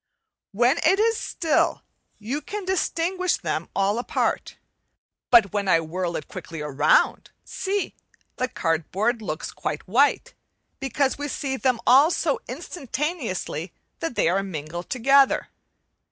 When it is still you can distinguish them all apart, but when I whirl it quickly round see! the cardboard looks quite white, because we see them all so instantaneously that they are mingled together.